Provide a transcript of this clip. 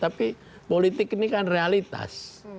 tapi politik ini kan realitas